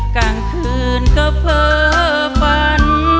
กลางคืนเค้าเพาะฝัน